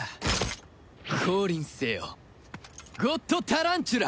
降臨せよゴッドタランチュラ！